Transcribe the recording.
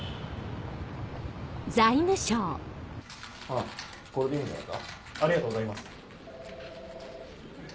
ありがとうございます。